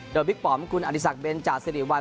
โดยพิกป๋อมคุณอลิสักเบนจากซีรีส์วัน